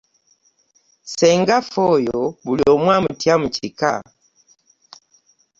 Ssengaffe oyo buli omu amutya mu kika.